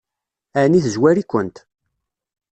Ɛni tezwar-ikent?